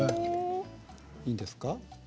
いいですか？